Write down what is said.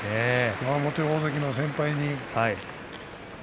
元大関の先輩に。